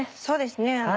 そうですね。